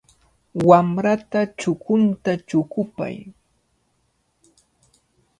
Wamrata chukunta chukupay.